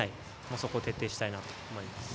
そこを徹底したいなと思います。